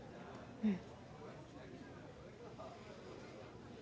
うん。